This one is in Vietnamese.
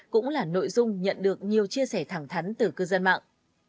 cũng là nội dung nhận được nhiều chia sẻ thẳng thắn từ cư dân mạng